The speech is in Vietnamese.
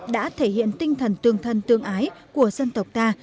đã thể hiện tinh thần tương thân tương ái của dân tộc ta